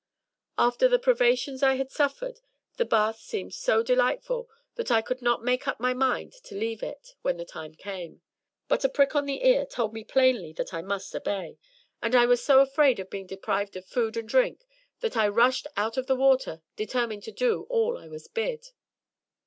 After the privations I had suffered the bath seemed so delightful that I could not make up my mind to leave it when the time came; but a prick on the ear told me plainly that I must obey, and I was so afraid of being deprived of food and drink that I rushed out of the water, determined to do all I was bid.